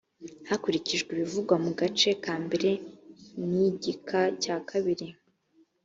hakurikijwe ibivugwa mu gace kambere k igika cya kabiri